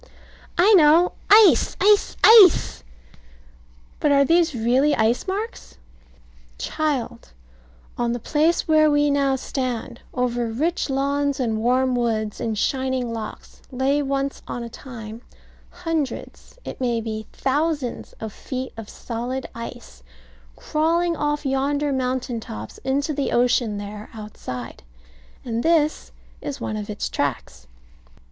I know. Ice! ice! ice! But are these really ice marks? Child, on the place where we now stand, over rich lawns, and warm woods, and shining lochs, lay once on a time hundreds, it may be thousands, of feet of solid ice, crawling off yonder mountain tops into the ocean there outside; and this is one of its tracks.